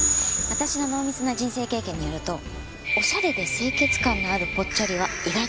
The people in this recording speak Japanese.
私の濃密な人生経験によるとオシャレで清潔感のあるポッチャリは意外とモテます。